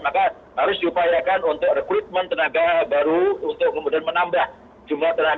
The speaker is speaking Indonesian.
maka harus diupayakan untuk rekrutmen tenaga baru untuk kemudian menambah jumlah tenaga